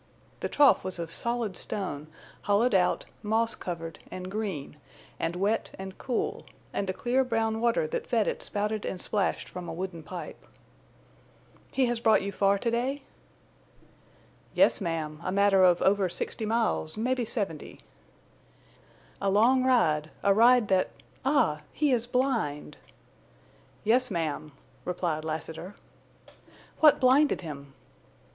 The trough was of solid stone, hollowed out, moss covered and green and wet and cool, and the clear brown water that fed it spouted and splashed from a wooden pipe. "He has brought you far to day?" [Illustration: "He has brought you far to day?"] "Yes, ma'am, a matter of over sixty miles, mebbe seventy." "A long ride—a ride that—Ah, he is blind!" "Yes, ma'am," replied Lassiter. "What blinded him?"